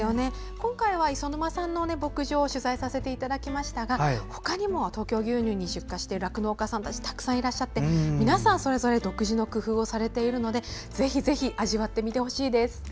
今回は磯沼さんの牧場を取材させていただきましたがほかにも東京牛乳に出荷している酪農家さんたちたくさんいらっしゃって皆さん、それぞれ独自の工夫をされているのでぜひ、味わってみてほしいです。